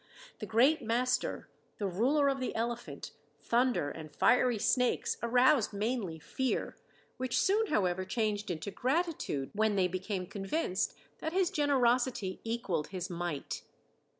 The "great master," the ruler of the elephant, thunder, and fiery snakes, aroused mainly fear, which soon, however, changed into gratitude when they became convinced that his generosity equaled his might.